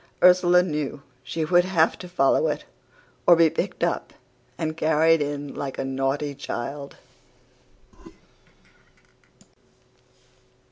Ursula knew she would have to follow it, or be picked up and carried in like a naughty child.